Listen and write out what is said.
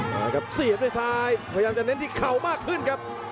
มาครับเสียบด้วยซ้ายพยายามจะเน้นที่เข่ามากขึ้นครับ